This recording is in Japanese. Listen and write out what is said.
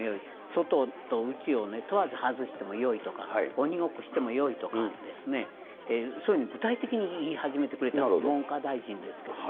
外と内を問わず外してもいいとか、鬼ごっこしてもよいとかですね、そういうふうに具体的に言い始めてくれた、文科大臣ですけど。